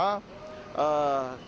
di tim swipernya